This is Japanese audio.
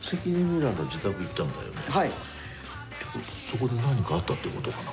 そこで何かあったってことかな？